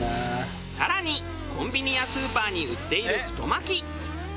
更にコンビニやスーパーに売っている太巻き。